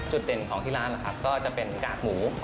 จุดเด่นของที่ร้านนะครับจะเป็นกากหมูทอดทุกวันครับ